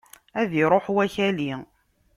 Ad iruḥ wakali!